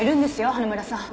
花村さん！